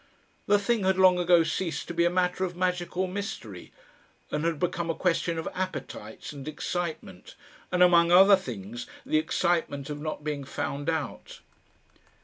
The thing had long ago ceased to be a matter of magic or mystery, and had become a question of appetites and excitement, and among other things the excitement of not being found out.